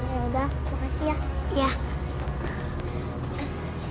ya udah makasih ya